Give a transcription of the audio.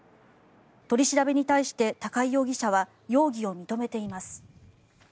取り調べに対して、高井容疑者は容疑を認めています。